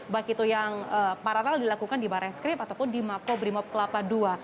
baik itu yang paralel dilakukan di barreskrim ataupun di makobrimob kelapa ii